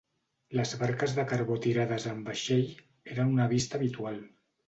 Les barques de carbó tirades amb vaixell eren una vista habitual.